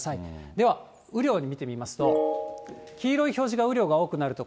では雨量見てみますと、黄色い表示が雨量が多くなる所。